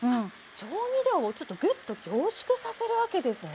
調味料をちょっとぐっと凝縮させるわけですね。